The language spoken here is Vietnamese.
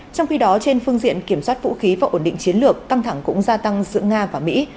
trong khi đó trên phương diện kiểm soát vũ khí và ổn định chiến lược căng thẳng cũng gia tăng giữa nga và mỹ